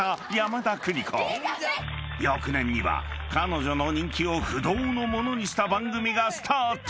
［翌年には彼女の人気を不動のものにした番組がスタート］